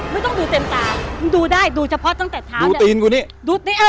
ไม่ต้องดูเต็มตาดูได้ดูเฉพาะตั้งแต่เท้าดูตีนกูนี่ดูตีนอ่า